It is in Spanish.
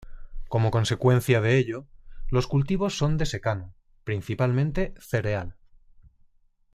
Como consecuencia de ello, los cultivos son de secano, principalmente cereal.